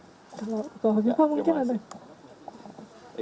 kalau boko viva mungkin ada